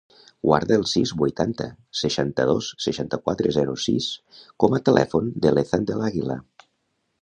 Guarda el sis, vuitanta, seixanta-dos, seixanta-quatre, zero, sis com a telèfon de l'Ethan Del Aguila.